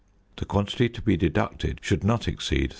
The quantity to be deducted should not exceed 3 c.